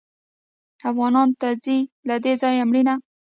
افغانانو ته ځي له دې ځایه مړینه